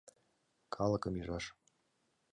Калыкым ӱжаш!